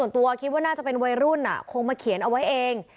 ถ้าจะเป็นวัยรุ่นคงมาเขียนเอาไว้เอง